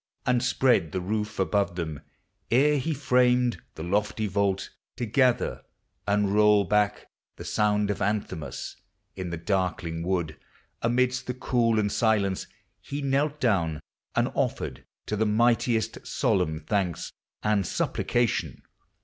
And spread the roof above them,— ere he framed The lofty vault, to gather and roll back The sound of anthems; in the darkling w I, Amidst the cool and silence, lie knelt down. And offered to the Mightiest solemn thanks And supplication.